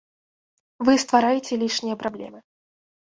Вы ствараеце лішнія праблемы.